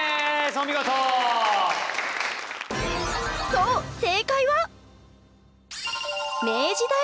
そう正解は。